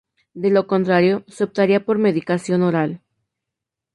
De lo contrario, se optaría por medicación oral.